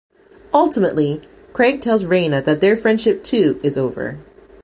Ultimately, Craig tells Raina that their friendship, too, is over.